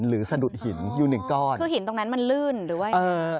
สะดุดหินอยู่หนึ่งก้อนคือหินตรงนั้นมันลื่นหรือว่าเออ